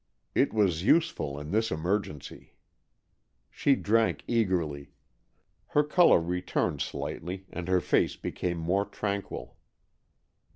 It was useful in this emergency. She drank eagerly. Her colour returned slightly, and her face became more tranquil.